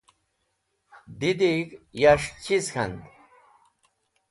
Didig̃h yas̃h chiz k̃hand.